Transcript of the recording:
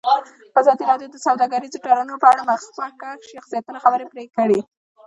ازادي راډیو د سوداګریز تړونونه په اړه د مخکښو شخصیتونو خبرې خپرې کړي.